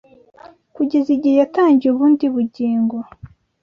kugeza ighe yatangiye ubundi ubugingo